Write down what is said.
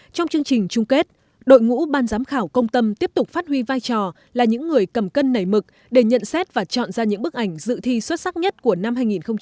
trong chương trình chung kết đội ngũ ban giám khảo công tâm tiếp tục phát huy vai trò là những người cầm cân nảy mực để nhận xét và chọn ra những bức ảnh dự thi xuất sắc nhất của năm hai nghìn một mươi chín